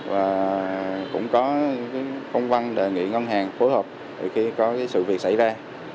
và cũng có công văn đề nghị ngân hàng phối hợp khi có sự việc xảy ra